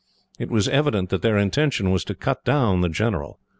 It was evident that their intention was to cut down the general.